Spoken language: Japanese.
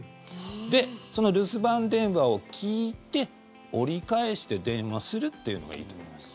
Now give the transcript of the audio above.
で、その留守番電話を聞いて折り返して電話するというのがいいと思います。